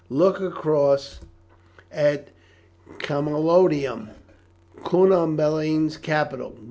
Look across at Camalodunum, Cunobeline's capital.